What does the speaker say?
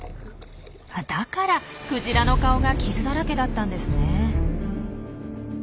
あだからクジラの顔が傷だらけだったんですね。